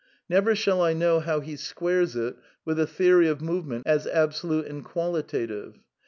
Never shall I know how he squares it with a theory of movement as absolute and qualitative.